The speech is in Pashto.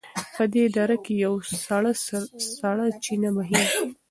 په دې دره کې یوه سړه چینه بهېږي.